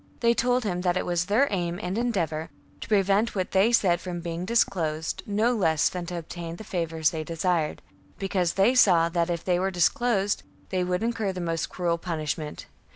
They told him that it was their aim and endeavour to prevent what they said from being disclosed no less than to obtain the favours they desired ; because they saw that if it were disclosed, they would incur the most cruel punishment.